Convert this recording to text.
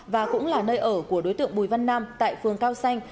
và cũng là nơi ở của đối tượng bùi văn nam tại phường cao xanh